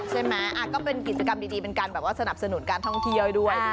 ใช่ไหมก็เป็นกิจกรรมดีเป็นการแบบว่าสนับสนุนการท่องเที่ยวด้วย